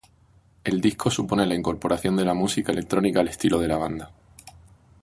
El disco supone la incorporación de la música electrónica al estilo de la banda.